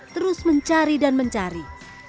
terus mencari dan mencari